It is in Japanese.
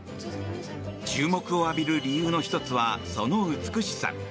注目を浴びる理由の１つがその美しさ。